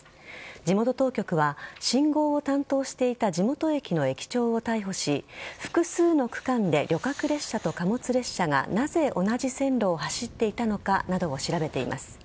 地元当局は信号を担当していた地元駅の駅長を逮捕し複数の区間で旅客列車と貨物列車がなぜ同じ線路を走っていたのかなどを調べています。